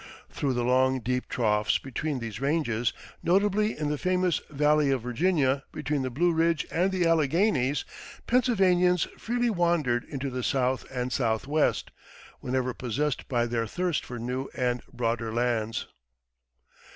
Through the long, deep troughs between these ranges notably in the famous Valley of Virginia between the Blue Ridge and the Alleghanies Pennsylvanians freely wandered into the south and southwest, whenever possessed by thirst for new and broader lands.